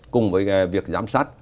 cùng với việc giám sát